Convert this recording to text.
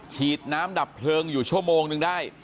ฉีดน้ำดับเพลิงอยู่ชั่วโมงนึงได้